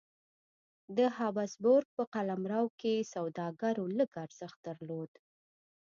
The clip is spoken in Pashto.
د هابسبورګ په قلمرو کې سوداګرو لږ ارزښت درلود.